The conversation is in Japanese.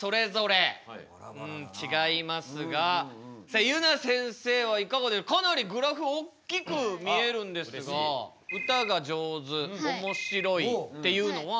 さあゆな先生はいかがでかなりグラフおっきく見えるんですが「歌が上手」「おもしろい」っていうのは？